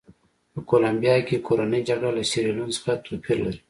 په کولمبیا کې کورنۍ جګړه له سیریلیون څخه توپیر لري.